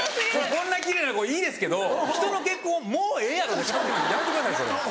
こんな奇麗な子いいですけど人の結婚を「もうええやろ！」で片付けるのやめてくださいそれ。